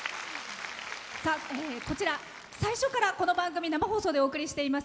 最初からこの番組、生放送でお送りしています